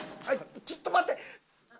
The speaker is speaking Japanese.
あっちょっと待って。